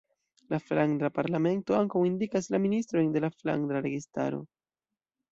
La Flandra Parlamento ankaŭ indikas la ministrojn de la flandra registaro.